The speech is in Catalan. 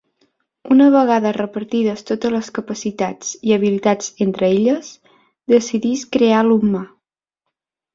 Una vegada repartides totes les capacitats i habilitats entre elles, decidisc crear l'humà.